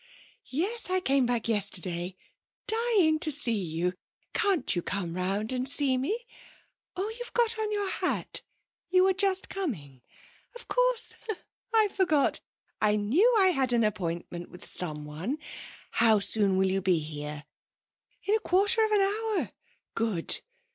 Yes.... I came back yesterday. Dying to see you. Can't you come round and see me? Oh, you've got on your hat; you were just coming? Of course, I forgot! I knew I had an appointment with someone! How soon will you be here?... In a quarter of an hour? Good!